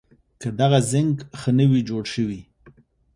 که دغه زېنک ښه نه وي جوړ شوي